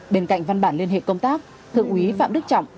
bên cạnh văn bản liên hệ công tác thượng úy phạm đức trọng